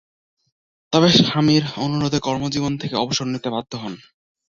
তবে, স্বামীর অনুরোধে কর্মজীবন থেকে অবসর নিতে বাধ্য হন।